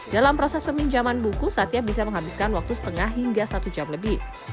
dalam proses peminjaman buku satya bisa menghabiskan waktu setengah hingga satu jam lebih